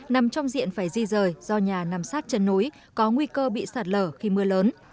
nằm trong diện phải di rời do nhà nằm sát chân núi có nguy cơ bị sạt lở khi mưa lớn